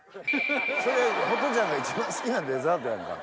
それホトちゃんが一番好きなデザートやんか。